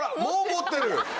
もう持ってる！